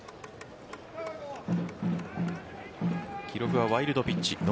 記録はワイルドピッチ。